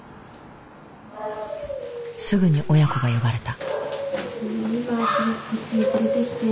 すぐに親子が呼ばれた。